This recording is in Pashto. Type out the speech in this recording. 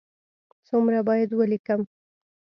څومره باید ولیکم؟